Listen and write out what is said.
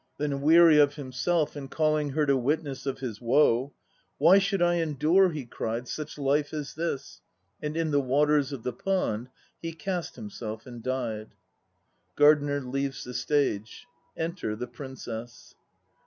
Then weary of himself and calling her to witness of his woe, "Why should I endure," he cried, "Such life as this?" and in the waters of the pond He cast himself and died. (GARDENER leaves the stage.) Enter the PRINCESS.